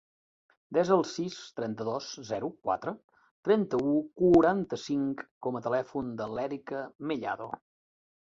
Desa el sis, trenta-dos, zero, quatre, trenta-u, quaranta-cinc com a telèfon de l'Erika Mellado.